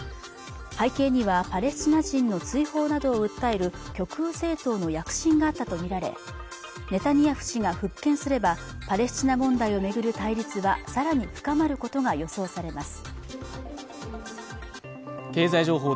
背景にはパレスチナ人の追放などを訴える極右政党の躍進があったと見られネタニヤフ氏が復権すればパレスチナ問題を巡る対立はさらに深まることが予想されます